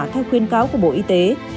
theo khuyên cáo của bộ y tế